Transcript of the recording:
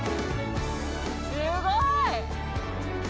すごい！